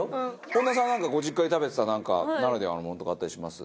本田さんはご実家で食べてたなんかならではのものとかあったりします？